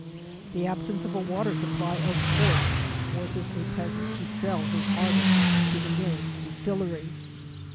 The absence of a water supply, of course, forces a peasant to sell his harvest to the nearest distillery.